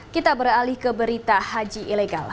kita beralih ke berita haji ilegal